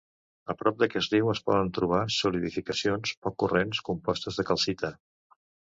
A prop d'aquest riu es poden trobar solidificacions poc corrents, compostes de calcita.